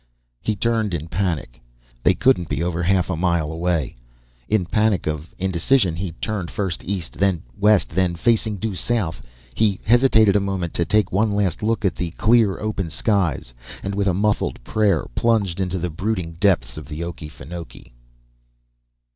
He turned in panic. They couldn't be over half a mile away. In a panic of indecision he turned first east then west, then facing due south he hesitated a moment to take one last look at the clear open skies, and with a muffled prayer plunged into the brooding depths of the Okefenokee.